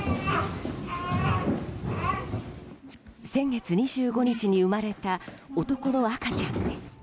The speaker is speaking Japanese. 先月２５日に生まれた男の赤ちゃんです。